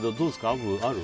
アブ、ある？